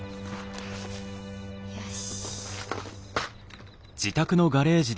よし。